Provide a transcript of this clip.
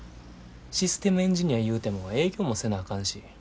システムエンジニアいうても営業もせなあかんし。